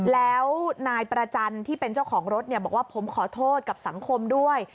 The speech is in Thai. แล้วนายประจันทร์ที่เป็นเจ้าของรถบอกว่าผมขอโทษกับสังคมด้วย